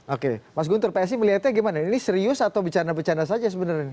oke mas guntur psi melihatnya gimana ini serius atau bercanda bercanda saja sebenarnya